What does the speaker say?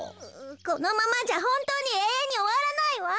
このままじゃほんとうにえいえんにおわらないわ。